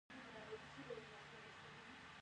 ایا مصنوعي ځیرکتیا د انساني اخلاقو پابنده نه ده؟